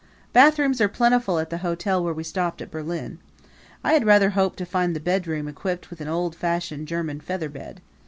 Bathrooms are plentiful at the hotel where we stopped at Berlin. I had rather hoped to find the bedroom equipped with an old fashioned German feather bed.